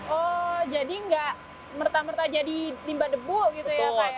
oh jadi nggak merta merta jadi limba debu gitu ya pak ya